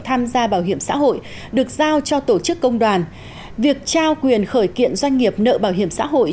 tham gia bảo hiểm xã hội được giao cho tổ chức công đoàn việc trao quyền khởi kiện doanh nghiệp nợ bảo hiểm xã hội